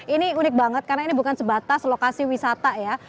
ini unik banget karena ini bukan sebatas lokasi wisata ya